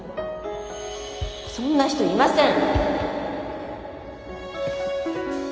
そんな人いません。